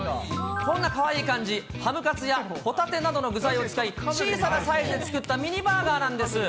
こんなかわいい感じ、ハムカツや、ホタテなどの具材を使い、小さなサイズで作ったミニバーガーなんです。